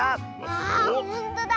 わあほんとだ！